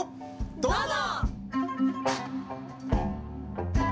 どうぞ！